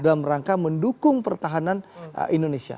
dalam rangka mendukung pertahanan indonesia